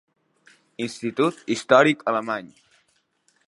Institut Històric Alemany.